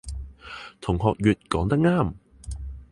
同學乙講得啱